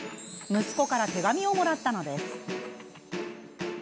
息子から手紙をもらったのです。